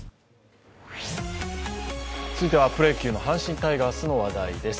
続いては、プロ野球の阪神タイガースの話題です。